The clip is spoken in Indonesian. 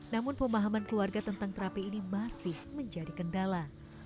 namun pemahaman keluarga tentang terapi ini masih menjadi kendala